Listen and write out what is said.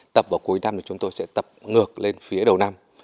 tập vào cuối năm thì chúng tôi sẽ tập ngược lên phía đầu năm